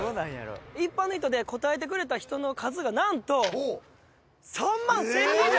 一般の人で答えてくれた人の数がなんと３万１０００人以上！